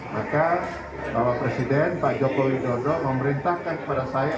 maka bapak presiden pak joko widodo memerintahkan kepada saya